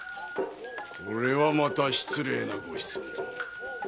これはまた失礼なご質問。